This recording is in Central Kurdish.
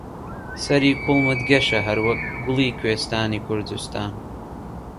سەری کوڵمت گەشە هەروەک گوڵی کوێستانی کوردستان